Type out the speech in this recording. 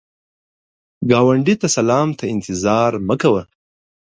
ګاونډي ته سلام ته انتظار مه کوه